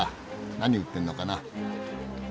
何売ってんのかな？